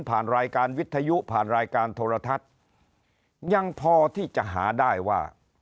รายการวิทยุผ่านรายการโทรทัศน์ยังพอที่จะหาได้ว่า